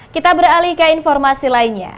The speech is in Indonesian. kita beralih ke informasi lainnya